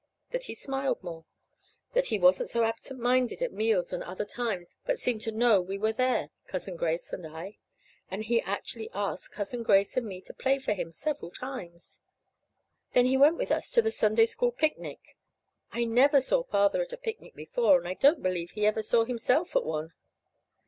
That he smiled more. That he wasn't so absent minded at meals and other times, but seemed to know we were there Cousin Grace and I. That he actually asked Cousin Grace and me to play for him several times. That he went with us to the Sunday School picnic. (I never saw Father at a picnic before, and I don't believe he ever saw himself at one.)